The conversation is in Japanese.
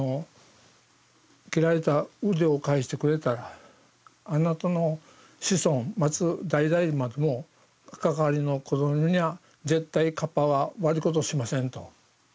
切られた腕を返してくれたらあなたの子孫末代々までも関わりの子どもには絶対カッパは悪いことしませんと。